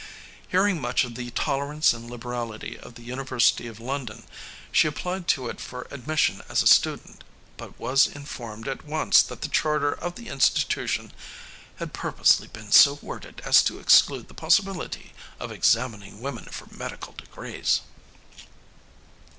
Hearing much of the tolerance and liberality of the University of London, she applied to it for admission as a student, but was informed at once that the charter of the institution "had purposely been so worded as to exclude the possibility of examining women for medical degrees."